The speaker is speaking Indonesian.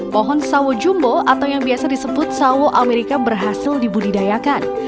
pohon sawo jumbo atau yang biasa disebut sawo amerika berhasil dibudidayakan